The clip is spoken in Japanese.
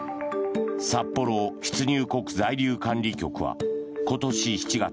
札幌出入国在留管理局は今年７月